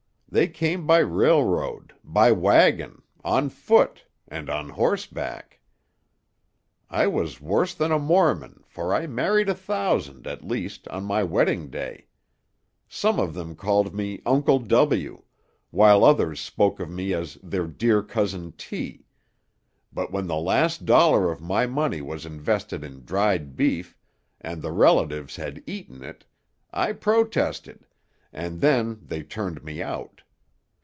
They came by railroad. By wagon. On foot. And on horseback. I was worse than a Mormon, for I married a thousand, at least, on my wedding day. Some of them called me 'Uncle W,' while others spoke of me as their 'Dear Cousin T;' but when the last dollar of my money was invested in dried beef, and the relatives had eaten it, I protested, and then they turned me out.